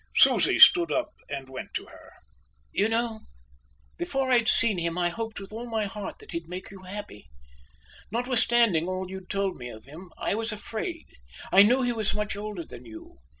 Susie stood up and went to her. "You know, before I'd seen him I hoped with all my heart that he'd make you happy. Notwithstanding all you'd told me of him, I was afraid. I knew he was much older than you.